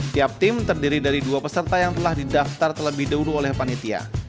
tiap tim terdiri dari dua peserta yang telah didaftar terlebih dahulu oleh panitia